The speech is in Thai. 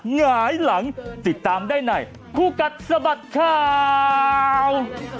หงายหลังติดตามได้ในคู่กัดสะบัดข่าว